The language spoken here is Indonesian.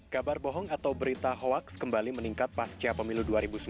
kabar bohong atau berita hoaks kembali meningkat pasca pemilu dua ribu sembilan belas